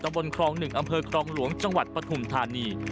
บนครอง๑อำเภอครองหลวงจังหวัดปฐุมธานี